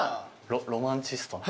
ロマンチストな。